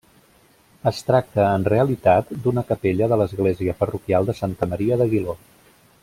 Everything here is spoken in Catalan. Es tracta en realitat d’una capella de l’església parroquial de Santa Maria d’Aguiló.